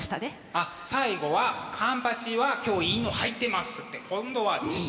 あっ最後はカンパチは今日いいの入ってますって今度は自信を持ってね。